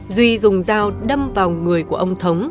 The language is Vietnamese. duy dùng dao đâm vào người của ông thống